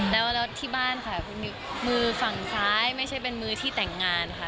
แล้วที่บ้านค่ะคุณมีมือฝั่งซ้ายไม่ใช่เป็นมือที่แต่งงานค่ะ